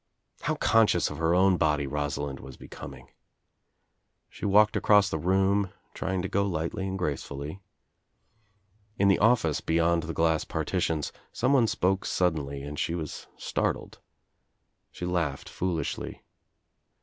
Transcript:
How conscious of her own body Rosalind was be coming 1 She walked across the room, trying to go lightly and gracefully. In the office beyond the glass partitions someone spoke suddenly and she was startled. She laughed foolishly.